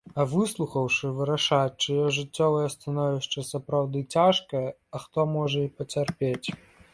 А выслухаўшы, вырашаць, чыё жыццёвае становішча сапраўды цяжкае, а хто можа і пацярпець.